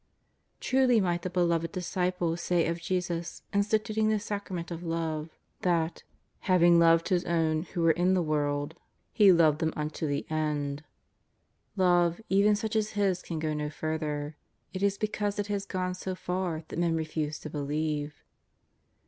Trulv miarht the Beloved Disci pie say of Jesus, instituting this Sacrament of Love, tha« '* having loved His own, who were in the world. JESUS OF NAZARETH. 331 He loved them unto the end." Love, even such as His, can go no further. It is because it has gone so far that men refuse to believe.